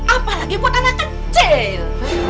apalagi buat anak kecil